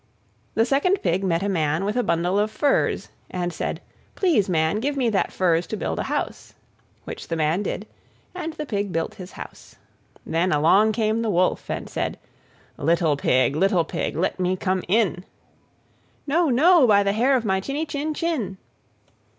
The second Pig met a Man with a bundle of furze, and said, "Please, Man, give me that furze to build a house"; which the Man did, and the Pig built his house. Then along came the Wolf and said, "Little Pig, little Pig, let me come in." "No, no, by the hair of my chinny chin chin."